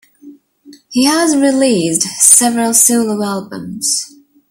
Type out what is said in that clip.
He has released several solo albums.